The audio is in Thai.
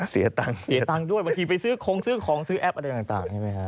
เสียตังค์ด้วยบางทีไปซื้อของซื้อของซื้อแอปอะไรต่าง